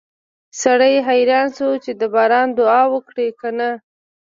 سړی حیران شو چې د باران دعا وکړي که نه